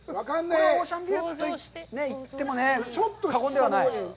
これオーシャンビューと言っても過言ではない。